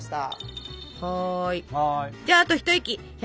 じゃああと一息！